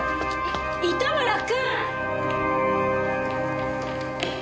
い糸村君！